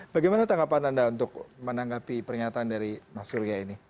bagaimana tanggapan anda untuk menanggapi pernyataan dari mas surya ini